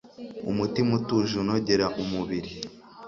umutima utuje unogera umubiri